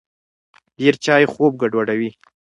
ډېر چای خوب ګډوډوي.